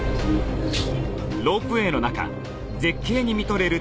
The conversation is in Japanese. よし！